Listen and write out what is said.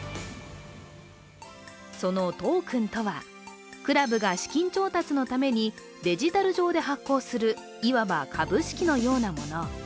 そのトークンとは、クラブが資金調達のためにデジタル上で発行するいわば株式のようなもの。